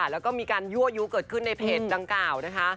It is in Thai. แล้วก็มีการยั่วยู้เกิดขึ้นในเพจดังกล่าวนะคะ